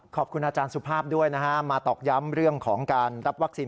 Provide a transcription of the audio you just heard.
ขอบคุณอาจารย์สุภาพด้วยนะฮะมาตอกย้ำเรื่องของการรับวัคซีน